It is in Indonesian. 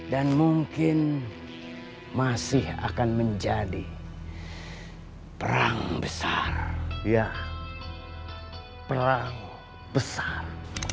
mungkin masih akan menjadi perang besar perang besar